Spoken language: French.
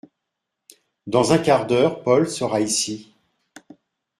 Dans un quart d’heure Paul sera ici…